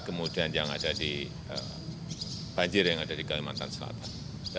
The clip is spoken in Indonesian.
kemudian yang ada di banjir yang ada di kalimantan selatan